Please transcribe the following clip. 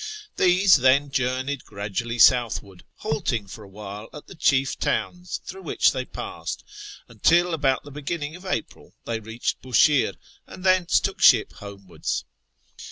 These, then, journeyed gradually southwards, halting for a while at the chief towns through which they passed, until about the beginning of April they reached Bushire, and thence took ship homewards.